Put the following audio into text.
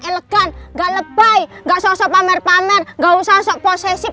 sama mas rendy itu gaya pacaran elegan gak lebay gak sosok pamer pamer gak usah sok posesif